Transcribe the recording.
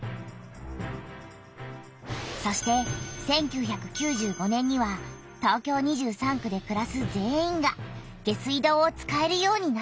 そして１９９５年には東京２３区でくらす全員が下水道を使えるようになった。